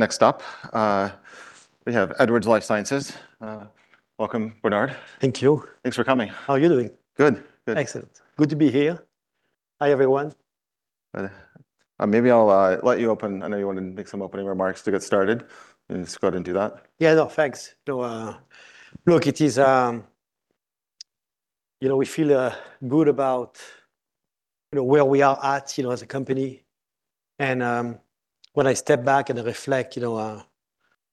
Next stop, we have Edwards Lifesciences. Welcome, Bernard. Thank you. Thanks for coming. How are you doing? Good. Excellent. Good to be here. Hi, everyone. Maybe I'll let you open. I know you wanted to make some opening remarks to get started. You just go ahead and do that. Yeah. No, thanks. No, look, it is. You know, we feel good about, you know, where we are at, you know, as a company. When I step back and reflect, you know,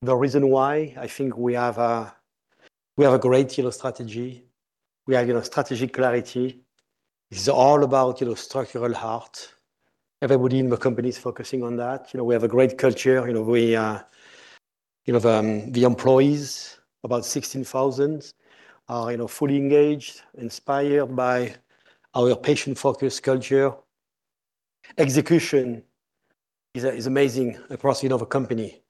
the reason why, I think we have a great, you know, strategy. We have, you know, strategic clarity. This is all about, you know, structural heart. Everybody in the company is focusing on that. You know, we have a great culture. You know, the employees, about 16,000 are, you know, fully engaged, inspired by our patient-focused culture. Execution is amazing across, you know, the company.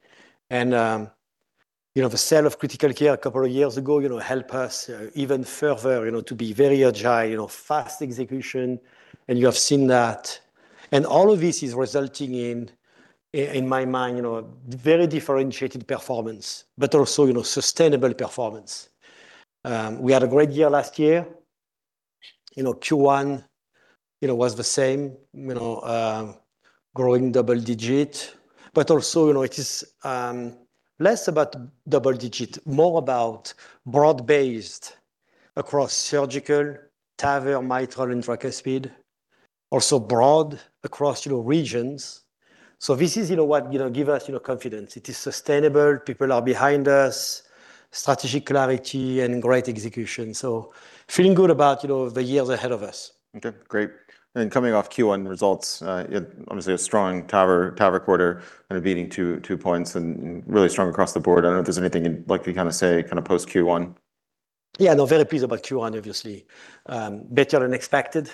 You know, the sale of Critical Care a couple of years ago, you know, help us even further, you know, to be very agile, you know, fast execution, and you have seen that. All of this is resulting in in my mind, you know, very differentiated performance, but also, you know, sustainable performance. We had a great year last year. You know, Q1, you know, was the same. You know, growing double digit. Also, you know, it is less about double digit, more about broad-based across surgical, TAVR, Mitral, and Tricuspid, also broad across, you know, regions. This is, you know, what, you know, give us, you know, confidence. It is sustainable. People are behind us. Strategic clarity and great execution. Feeling good about, you know, the years ahead of us. Okay. Great. Coming off Q1 results, obviously a strong TAVR quarter, kind of beating 2 points and really strong across the board. I don't know if there's anything you'd like to kind of say kind of post Q1. Yeah. No, very pleased about Q1, obviously. Better than expected.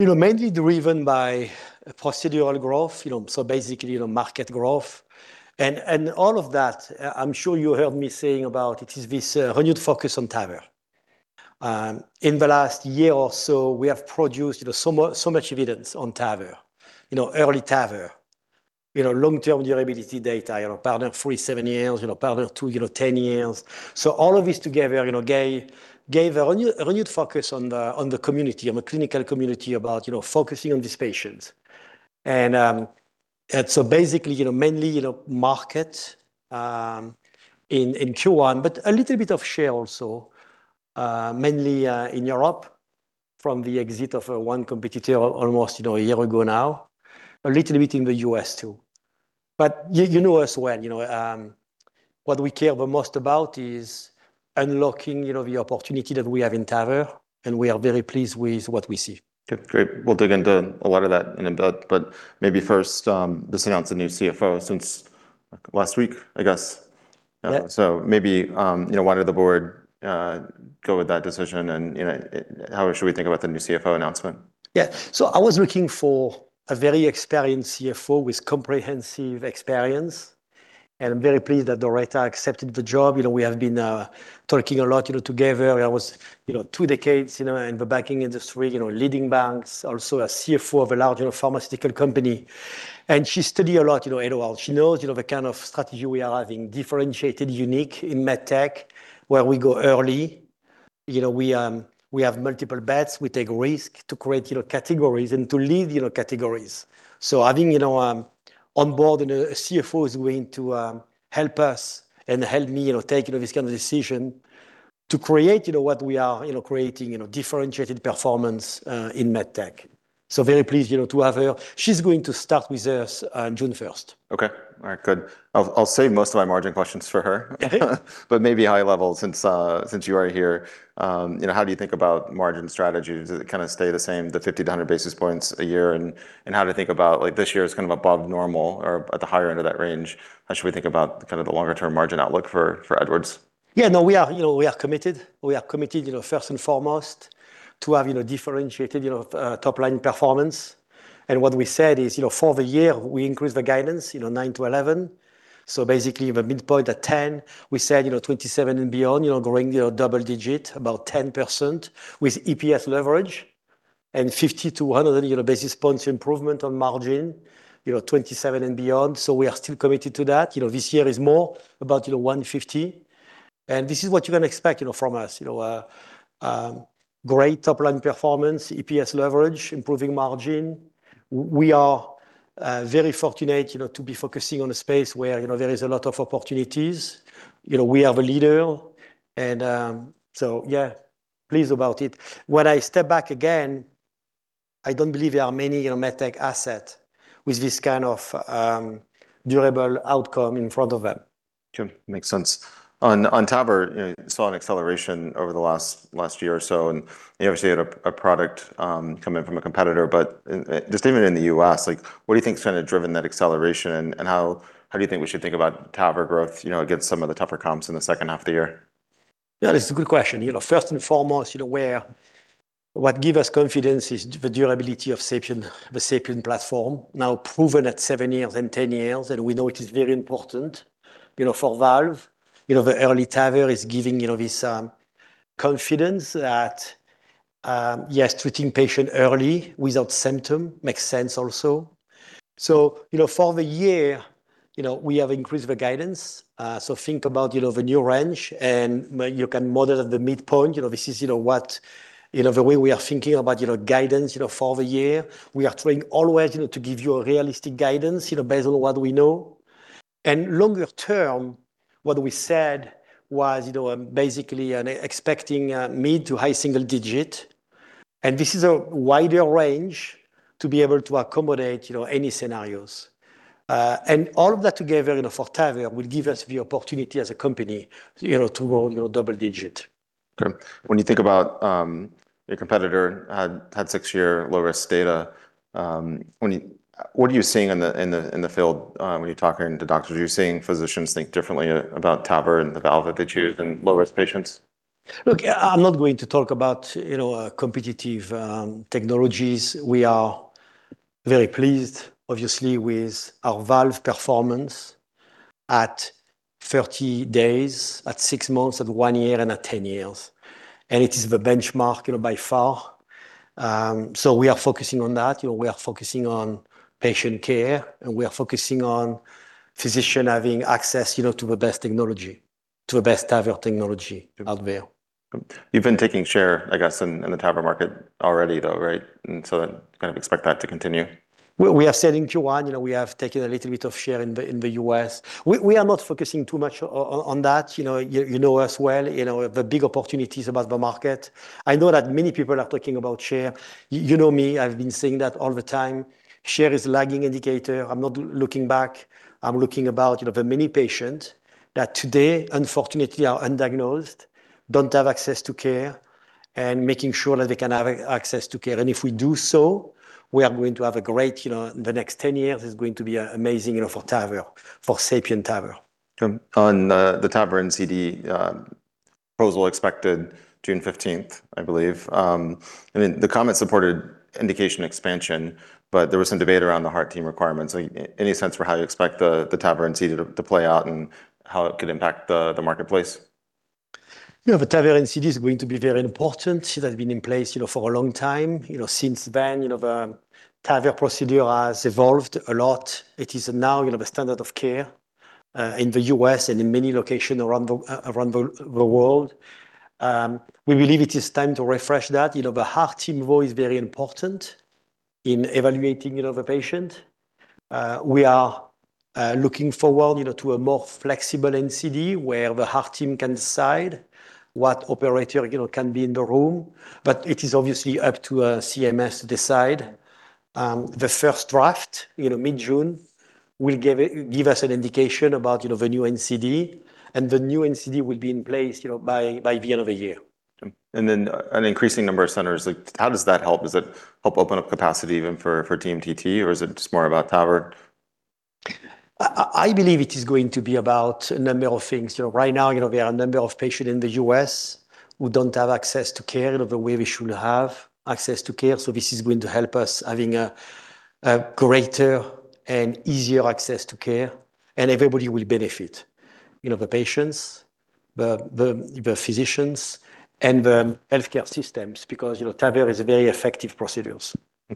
You know, mainly driven by procedural growth. You know, basically, you know, market growth. And all of that, I'm sure you heard me saying about it is this renewed focus on TAVR. In the last year or so, we have produced, you know, so much evidence on TAVR. You know, EARLY TAVR. You know, long-term durability data. You know, PARTNER 3, seven years. You know, PARTNER 2, you know, 10 years. All of this together, you know, gave a renewed focus on the community, on the clinical community about, you know, focusing on these patients. Basically, you know, mainly, you know, market in Q1, but a little bit of share also, mainly in Europe from the exit of one competitor almost, you know, a year ago now. A little bit in the U.S. too. You, you know us well. What we care the most about is unlocking, you know, the opportunity that we have in TAVR, and we are very pleased with what we see. Okay. Great. We'll dig into a lot of that in a bit, but maybe first, just announced a new CFO since last week, I guess. Yeah. Maybe, you know, why did the board go with that decision and, you know, how should we think about the new CFO announcement? Yeah. I was looking for a very experienced CFO with comprehensive experience, and I'm very pleased that Doretta accepted the job. You know, we have been talking a lot, you know, together. I was, you know, two decades, you know, in the banking industry. You know, leading banks. Also a CFO of a large, you know, pharmaceutical company. She studied a lot, you know, at AOL. She knows, you know, the kind of strategy we are having, differentiated, unique in MedTech, where we go early. You know, we have multiple bets. We take risk to create, you know, categories and to lead, you know, categories. Having, you know, on board a CFO is going to help us and help me, you know, take this kind of decision to create, you know, what we are, you know, creating, you know, differentiated performance in MedTech. Very pleased, you know, to have her. She's going to start with us on June 1st. Okay. All right. Good. I'll save most of my margin questions for her. Okay. Maybe high level since you are here. You know, how do you think about margin strategy? Does it kind of stay the same, the 50 to 100 basis points a year? How to think about, like, this year is kind of above normal or at the higher end of that range. How should we think about kind of the longer-term margin outlook for Edwards? No, we are, you know, committed, you know, first and foremost to have, you know, differentiated, you know, top-line performance. What we said is, you know, for the year, we increase the guidance, you know, nine to 11. Basically, the midpoint at 10. We said, you know, 2027 and beyond, you know, growing, you know, double digit, about 10% with EPS leverage and 50-100, you know, basis points improvement on margin, you know, 2027 and beyond. We are still committed to that. You know, this year is more about, you know, 150. This is what you can expect, you know, from us. You know, great top-line performance, EPS leverage, improving margin. We are very fortunate, you know, to be focusing on a space where, you know, there is a lot of opportunities. You know, we are the leader. Yeah, pleased about it. When I step back again, I don't believe there are many, you know, MedTech asset with this kind of durable outcome in front of them. Sure. Makes sense. On TAVR, you saw an acceleration over the last year or so, and you obviously had a product coming from a competitor. Just even in the U.S., like, what do you think's kind of driven that acceleration, and how do you think we should think about TAVR growth, you know, against some of the tougher comps in the second half of the year? Yeah. That's a good question. You know, first and foremost, you know, what give us confidence is the durability of SAPIEN, the SAPIEN platform, now proven at seven years and 10 years, and we know it is very important, you know, for valve. You know, the EARLY TAVR is giving, you know, this confidence that yes, treating patient early without symptom makes sense also. You know, for the year, you know, we have increased the guidance. Think about, you know, the new range, and you can model at the midpoint. You know, this is, you know, what, you know, the way we are thinking about, you know, guidance, you know, for the year. We are trying always, you know, to give you a realistic guidance, you know, based on what we know. Longer term, what we said was, you know, basically, expecting mid to high single-digit. This is a wider range to be able to accommodate, you know, any scenarios. All of that together, you know, for TAVR will give us the opportunity as a company, you know, to grow, you know, double-digit. Okay. When you think about, your competitor had six-year low-risk data. What are you seeing in the field, when you're talking to doctors? Are you seeing physicians think differently about TAVR and the valve that they choose in low-risk patients? Look, I'm not going to talk about, you know, competitive technologies. We are very pleased, obviously, with our valve performance at 30 days, at six months, at one year, and at 10 years. It is the benchmark, you know, by far. We are focusing on that. You know, we are focusing on patient care, and we are focusing on physician having access, you know, to the best technology, to the best TAVR technology out there. You've been taking share, I guess, in the TAVR market already though, right? Kind of expect that to continue. We are saying Q1, you know, we have taken a little bit of share in the U.S. We are not focusing too much on that. You know, you know us well. You know the big opportunities about the market. I know that many people are talking about share. You know me. I've been saying that all the time. Share is lagging indicator. I'm not looking back. I'm looking about, you know, the many patient that today, unfortunately, are undiagnosed, don't have access to care, and making sure that they can have access to care. If we do so, we are going to have a great, you know, the next 10 years is going to be amazing, you know, for TAVR, for SAPIEN TAVR. On the TAVR NCD proposal expected June 15th, I believe. I mean, the comment supported indication expansion, but there was some debate around the heart team requirements. Like, any sense for how you expect the TAVR NCD to play out and how it could impact the marketplace? The TAVR NCD is going to be very important. It has been in place, you know, for a long time. You know, since then, you know, the TAVR procedure has evolved a lot. It is now, you know, the standard of care, in the U.S. and in many location around the world. We believe it is time to refresh that. You know, the heart team role is very important in evaluating, you know, the patient. We are looking forward, you know, to a more flexible NCD where the heart team can decide what operator, you know, can be in the room. It is obviously up to CMS to decide. The first draft, you know, mid-June, will give us an indication about, you know, the new NCD. The new NCD will be in place, you know, by the end of the year. An increasing number of centers. Like, how does that help? Does that help open up capacity even for TMTT, or is it just more about TAVR? I believe it is going to be about a number of things. You know, right now, you know, there are a number of patients in the U.S. who don't have access to care the way we should have access to care. This is going to help us having a greater and easier access to care, and everybody will benefit. You know, the patients, the physicians, and the healthcare systems because, you know, TAVR is a very effective procedure.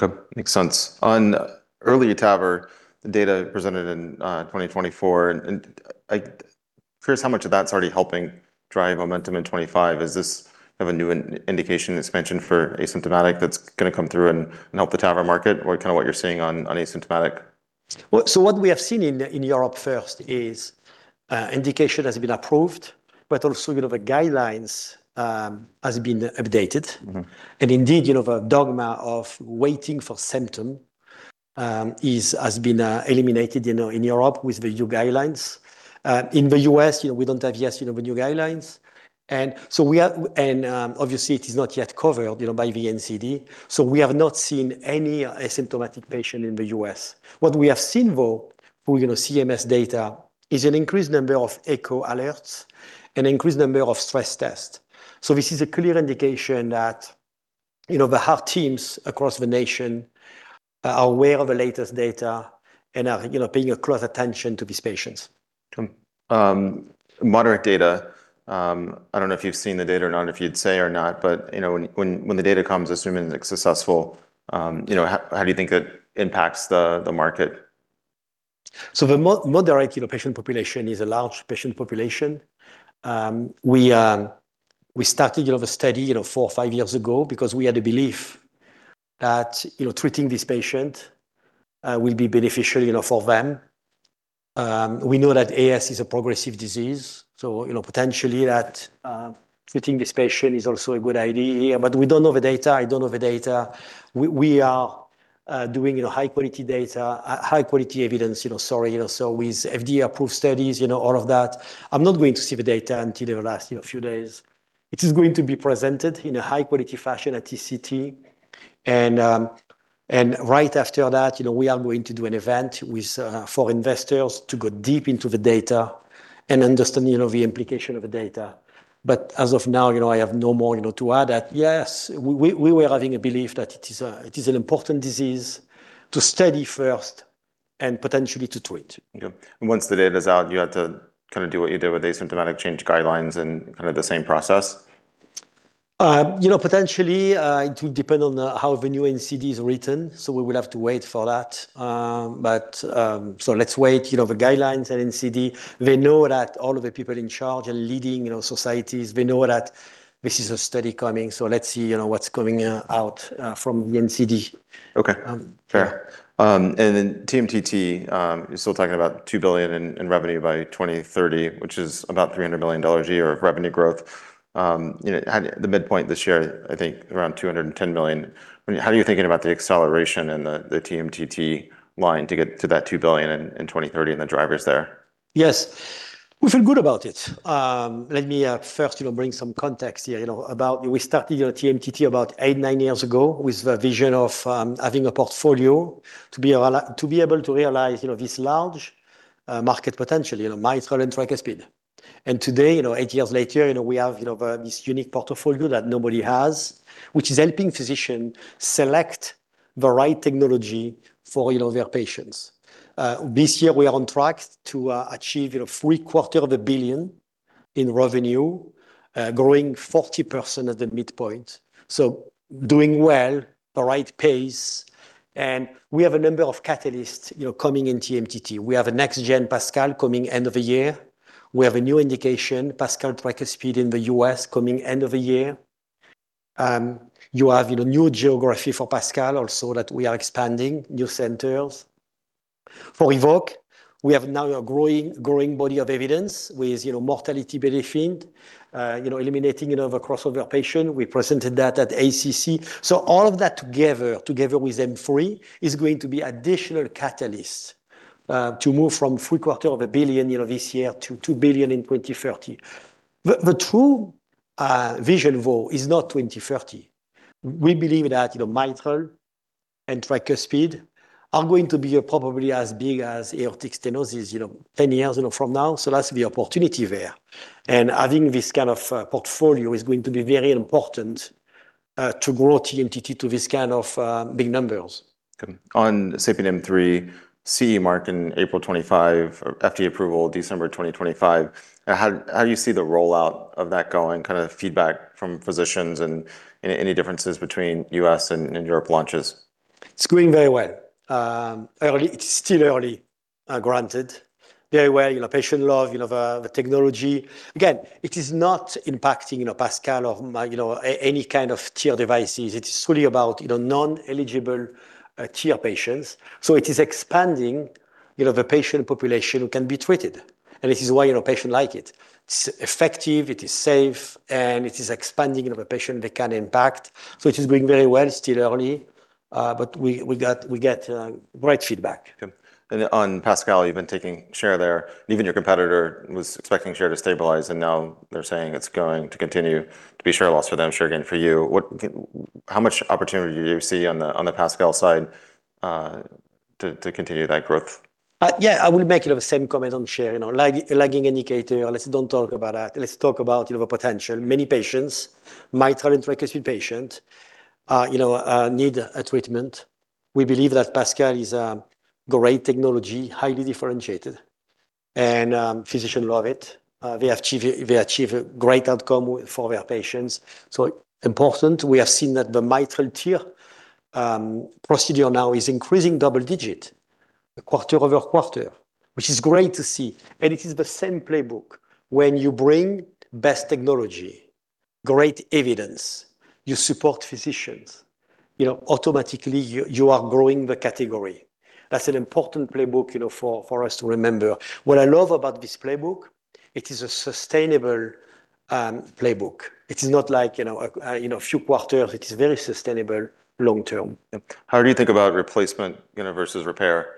Okay. Makes sense. On EARLY TAVR, the data presented in 2024, I curious how much of that's already helping drive momentum in 2025. Is this kind of a new indication expansion for asymptomatic that's gonna come through and help the TAVR market? Kinda what you're seeing on asymptomatic? What we have seen in Europe first is, indication has been approved, but also, you know, the guidelines, has been updated. Indeed, you know, the dogma of waiting for symptom has been eliminated, you know, in Europe with the new guidelines. In the U.S., you know, we don't have yet, you know, the new guidelines. And, obviously it is not yet covered, you know, by the NCD. We have not seen any asymptomatic patient in the U.S. What we have seen, though, through, you know, CMS data, is an increased number of echo alerts and increased number of stress test. This is a clear indication that, you know, the heart teams across the nation are aware of the latest data and are, you know, paying a close attention to these patients. Moderate data. I don't know if you've seen the data or not, if you'd say or not, but, you know, when the data comes, assuming it's successful, you know, how do you think it impacts the market? The moderate, you know, patient population is a large patient population. We started, you know, the study, you know, four or five years ago because we had a belief that, you know, treating this patient will be beneficial, you know, for them. We know that AS is a progressive disease, you know, potentially that treating this patient is also a good idea. We don't know the data. I don't know the data. We are doing, you know, high-quality data, high-quality evidence, you know, sorry. You know, with FDA-approved studies, you know, all of that. I'm not going to see the data until the last, you know, few days. It is going to be presented in a high-quality fashion at TCT. Right after that, you know, we are going to do an event with for investors to go deep into the data and understand, you know, the implication of the data. As of now, you know, I have no more, you know, to add that. Yes, we were having a belief that it is a, it is an important disease to study first and potentially to treat. Yeah. Once the data's out, you have to kinda do what you did with asymptomatic change guidelines and kind of the same process? You know, potentially, it will depend on how the new NCD is written, so we will have to wait for that. Let's wait, you know, the guidelines at NCD. We know that all of the people in charge are leading, you know, societies. We know that this is a study coming, so let's see, you know, what's coming out from the NCD. Okay. Fair. TMTT, you're still talking about $2 billion in revenue by 2030, which is about $300 million a year of revenue growth. You know, the mid point this year, I think around $210 million. How are you thinking about the acceleration in the TMTT line to get to that $2 billion in 2030 and the drivers there? Yes. We feel good about it. Let me first bring some context here about we started TMTT about eight, nine years ago with the vision of having a portfolio to be able to realize this large market potential, mitral and tricuspid. Today, eight years later, we have this unique portfolio that nobody has, which is helping physician select the right technology for their patients. This year we are on track to achieve three-quarter of a billion in revenue, growing 40% at the midpoint. Doing well, the right pace. We have a number of catalysts coming in TMTT. We have a next-gen PASCAL coming end of the year. We have a new indication, PASCAL Tricuspid in the U.S. coming end of the year. you have, you know, new geography for PASCAL also that we are expanding, new centers. For EVOQUE, we have now a growing body of evidence with, you know, mortality benefit, you know, eliminating, you know, the crossover patient. We presented that at ACC. All of that together with M3, is going to be additional catalyst, to move from three-quarter of a billion, you know, this year to $2 billion in 2030. The, the true, vision though is not 2030. We believe that, you know, mitral and tricuspid are going to be, probably as big as aortic stenosis, you know, 10 years, you know, from now. That's the opportunity there. Having this kind of portfolio is going to be very important to grow TMTT to this kind of big numbers. On SAPIEN M3, CE mark in April 2025, FDA approval December 2025. How do you see the rollout of that going, kind of feedback from physicians and any differences between U.S. and Europe launches? It's going very well. It's still early, granted. Very well, you know, patient love, you know, the technology. Again, it is not impacting, you know, PASCAL or, you know, any kind of TR devices. It is truly about, you know, non-eligible, TR patients. It is expanding, you know, the patient population who can be treated. This is why, you know, patient like it. It's effective, it is safe, and it is expanding, you know, the patient they can impact. It is doing very well. Still early, but we get great feedback. Okay. On PASCAL, you've been taking share there. Even your competitor was expecting share to stabilize, and now they're saying it's going to continue to be share loss for them, share gain for you. How much opportunity do you see on the PASCAL side to continue that growth? Yeah, I will make, you know, the same comment on share. You know, lagging indicator, let's don't talk about that. Let's talk about, you know, the potential. Many patients, mitral and tricuspid patient, you know, need a treatment. We believe that PASCAL is a great technology, highly differentiated, and physician love it. They achieve a great outcome for their patients. Important, we have seen that the mitral TR procedure now is increasing double-digit, quarter-over-quarter, which is great to see. It is the same playbook. When you bring best technology, great evidence, you support physicians, you know, automatically you are growing the category. That's an important playbook, you know, for us to remember. What I love about this playbook, it is a sustainable playbook. It is not like, you know, a, you know, a few quarters. It is very sustainable long term. How do you think about replacement, you know, versus repair,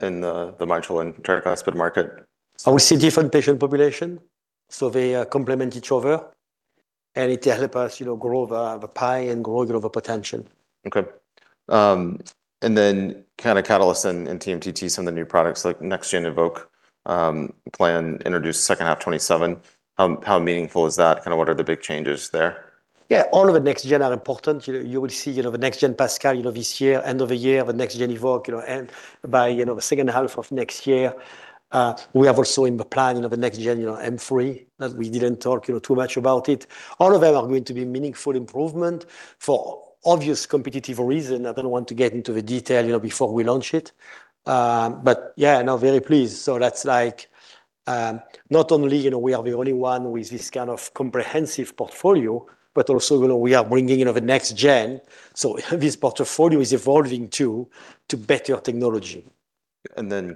in the mitral and tricuspid market? We see different patient population, so they complement each other, and it help us, you know, grow the pie and grow the potential. Okay. Kind of catalysts in TMTT, some of the new products, like next-gen EVOQUE, plan introduce second half 2027. How meaningful is that? Kinda what are the big changes there? Yeah, all of the next-gen are important. You will see, you know, the next-gen PASCAL, you know, this year, end of the year, the next-gen EVOQUE, you know. By, you know, the second half of next year, we have also in the plan, you know, the next-gen, you know, M3, that we didn't talk, you know, too much about it. All of them are going to be meaningful improvement. For obvious competitive reason, I don't want to get into the detail, you know, before we launch it. Yeah, no, very pleased. That's like, not only, you know, we are the only one with this kind of comprehensive portfolio, but also, you know, we are bringing, you know, the next-gen. This portfolio is evolving too, to better technology.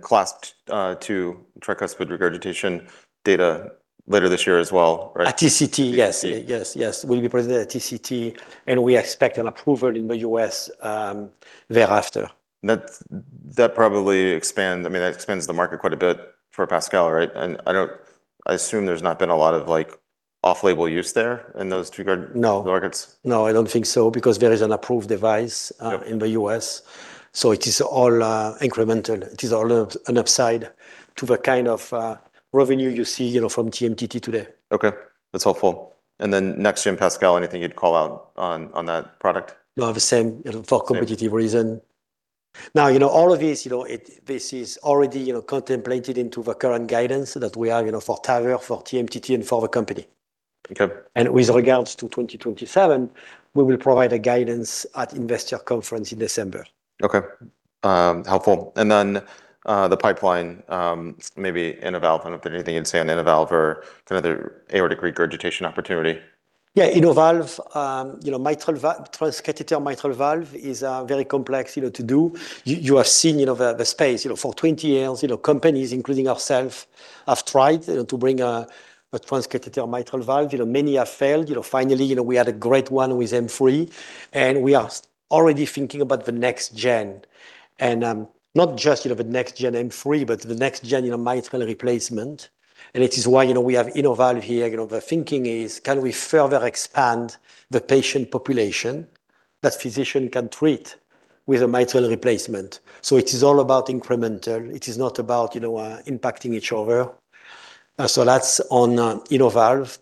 CLASP II tricuspid regurgitation data later this year as well, right? At TCT, yes. Yes. We'll be presenting at TCT, and we expect an approval in the U.S. thereafter. That probably expand, I mean, that expands the market quite a bit for PASCAL, right? I assume there's not been a lot of, like, off-label use there in those TR markets? No, I don't think so because there is an approved device in the U.S. It is all incremental. It is all up, an upside to the kind of revenue you see, you know, from TMTT today. Okay. That's helpful. Next-gen PASCAL, anything you'd call out on that product? No, the same. You know, Now, you know, all of this, you know, this is already, you know, contemplated into the current guidance that we have, you know, for TAVR, for TMTT, and for the company. Okay. With regards to 2027, we will provide a guidance at Investor Conference in December. Okay. Helpful. The pipeline, maybe Innovalve, I don't know if there anything you'd say on Innovalve or kind of the aortic regurgitation opportunity. Innovalve, you know, mitral transcatheter mitral valve is very complex, you know, to do. You have seen, you know, the space. For 20 years, you know, companies, including ourself, have tried, you know, to bring a transcatheter mitral valve. Many have failed. Finally, you know, we had a great one with M3, and we are already thinking about the next gen. Not just, you know, the next gen M3, but the next gen, you know, mitral replacement. It is why, you know, we have Innovalve here. The thinking is can we further expand the patient population that physician can treat with a mitral replacement. It is all about incremental. It is not about, you know, impacting each other. That's on Innovalve.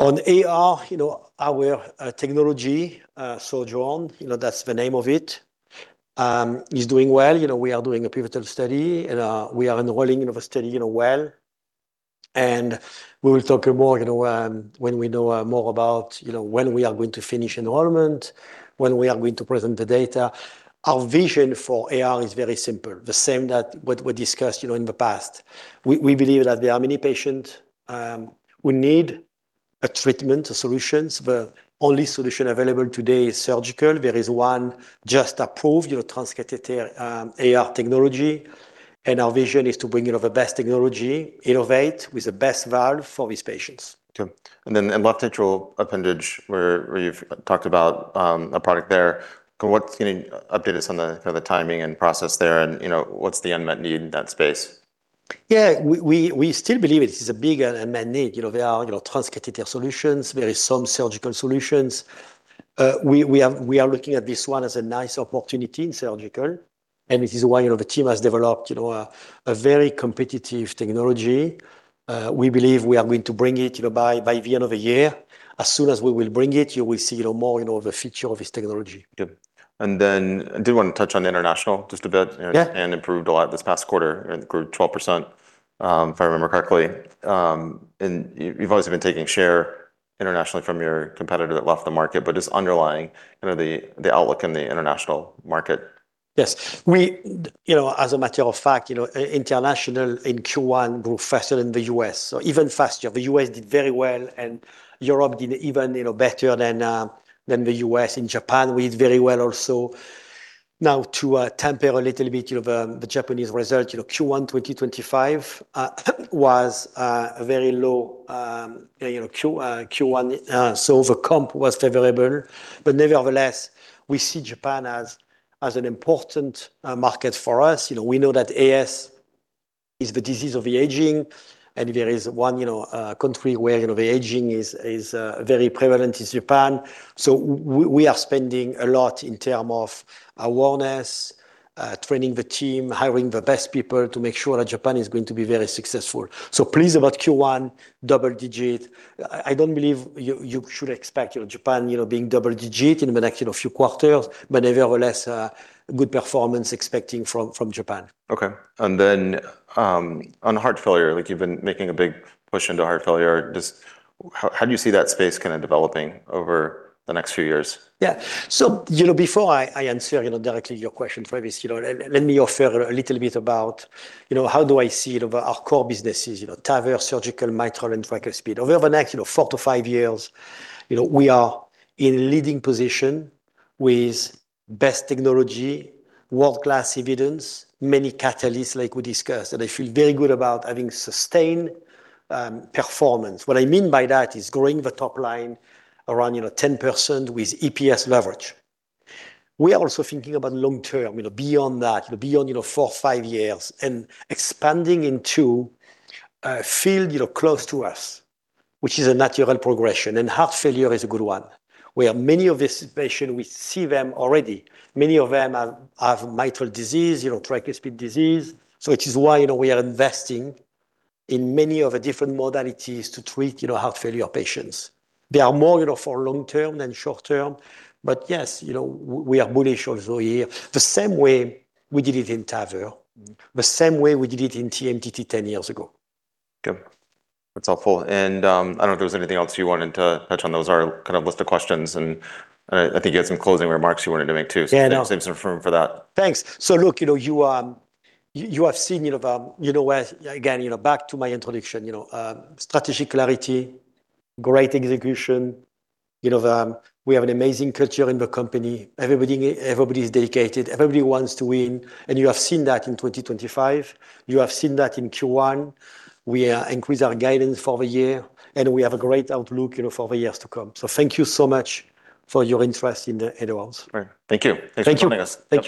On AR, you know, our technology, Sojourn, you know, that's the name of it, is doing well. You know, we are doing a pivotal study. We are enrolling, you know, the study, you know, well. We will talk more, you know, when we know more about, you know, when we are going to finish enrollment, when we are going to present the data. Our vision for AR is very simple, the same what we discussed, you know, in the past. We believe that there are many patient who need a treatment, a solutions. The only solution available today is surgical. There is one just approved, you know, transcatheter AR technology. Our vision is to bring, you know, the best technology, innovate with the best valve for these patients. Okay. Then in left atrial appendage, where you've talked about a product there, can you update us on the, you know, the timing and process there and, you know, what's the unmet need in that space? Yeah. We still believe it is a big unmet need. You know, there are, you know, transcatheter solutions. There is some surgical solutions. We are looking at this one as a nice opportunity in surgical, and it is why, you know, the team has developed, you know, a very competitive technology. We believe we are going to bring it, you know, by the end of the year. As soon as we will bring it, you will see, you know, more, you know, the feature of this technology. Good. I did want to touch on international just a bit. Yeah. Improved a lot this past quarter. It grew 12%, if I remember correctly. You've always been taking share internationally from your competitor that left the market. Just underlying kind of the outlook in the international market. Yes. You know, as a matter of fact, you know, international in Q1 grew faster than the U.S. Even faster. The U.S. did very well, and Europe did even, you know, better than the U.S. In Japan, we did very well also. Now to temper a little bit, you know, the Japanese result, you know, Q1 2025 was very low. You know, Q1, the comp was favorable. Nevertheless, we see Japan as an important market for us. You know, we know that AS is the disease of the aging, and there is one, you know, country where, you know, the aging is very prevalent is Japan. We are spending a lot in term of awareness, training the team, hiring the best people to make sure that Japan is going to be very successful. Pleased about Q1, double digit. I don't believe you should expect, you know, Japan, you know, being double digit in the next, you know, few quarters. Nevertheless, good performance expecting from Japan. Okay. On heart failure, like you've been making a big push into heart failure. Just how do you see that space kind of developing over the next few years? You know, before I answer, you know, directly your question, Travis, you know, let me offer a little bit about, you know, how do I see it over our core businesses. TAVR, surgical, mitral, and Tricuspid. Over the next, you know, four to five years, you know, we are in leading position with best technology, world-class evidence, many catalysts like we discussed. I feel very good about having sustained performance. What I mean by that is growing the top line around, you know, 10% with EPS leverage. We are also thinking about long term, you know, beyond that, you know, beyond, you know, four or five years and expanding into a field, you know, close to us, which is a natural progression, and heart failure is a good one. We have many of these patients, we see them already. Many of them have mitral disease, you know, tricuspid disease. It is why, you know, we are investing in many of the different modalities to treat, you know, heart failure patients. They are more, you know, for long term than short term. Yes, you know, we are bullish also here. The same way we did it in TAVR. The same way we did it in TMTT 10 years ago. Okay. That's helpful. I don't know if there was anything else you wanted to touch on. Those are kind of list of questions, and I think you had some closing remarks you wanted to make too. Yeah, no. Save some room for that. Thanks. Look, you know, you have seen, you know... You know, again, you know, back to my introduction. You know, strategic clarity, great execution. You know, we have an amazing culture in the company. Everybody's dedicated. Everybody wants to win, and you have seen that in 2025. You have seen that in Q1. We are increase our guidance for the year, and we have a great outlook, you know, for the years to come. Thank you so much for your interest in Edwards. All right. Thank you. Thank you. Thanks for joining us. Thank you.